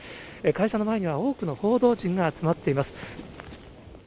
会社の前には多くの報道陣が集まっています。